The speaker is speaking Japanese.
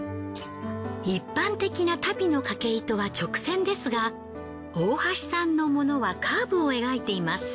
一般的な足袋のかけ糸は直線ですが大橋さんのものはカーブを描いています。